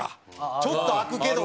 ちょっと空くけども。